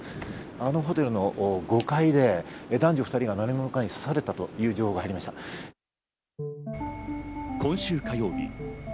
あのホテルの５階で男女２人が何者かに刺されたという情報が入りました。